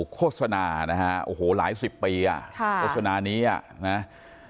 โฆษณานะฮะโอ้โหหลายสิบปีอ่ะโฆษณานี้อ่ะนะ